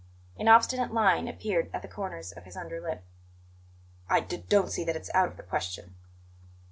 An obstinate line appeared at the corners of his under lip. "I d don't see that it's out of the question."